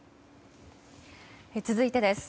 続いてです。